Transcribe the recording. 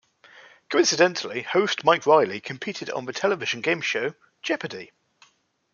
Coincidentally, host Mike Reilly competed on the television game show Jeopardy!